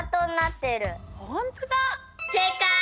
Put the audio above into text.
せいかい！